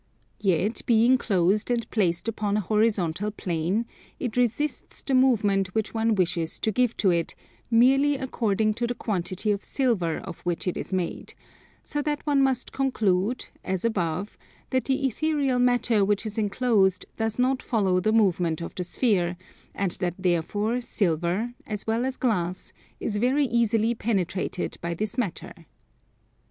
Yet, being closed and placed upon a horizontal plane, it resists the movement which one wishes to give to it, merely according to the quantity of silver of which it is made; so that one must conclude, as above, that the ethereal matter which is enclosed does not follow the movement of the sphere; and that therefore silver, as well as glass, is very easily penetrated by this matter.